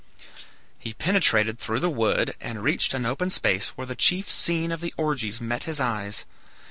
He penetrated through the wood and reached an open space where the chief scene of the orgies met his eyes.